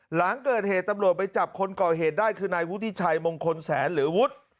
หลังเกิดเหตุตำรวจไปจับคนก่อเหตุได้คือนายวุฒิชัยมงคลแสนหรือวุฒิ